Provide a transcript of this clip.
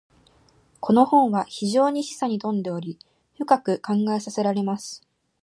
•この本は非常に示唆に富んでおり、深く考えさせられます。